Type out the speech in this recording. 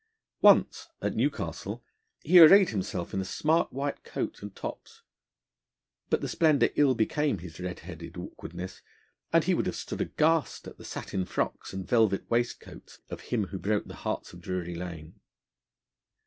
Once at Newcastle he arrayed himself in a smart white coat and tops, but the splendour ill became his red headed awkwardness, and he would have stood aghast at the satin frocks and velvet waistcoats of him who broke the hearts of Drury Lane.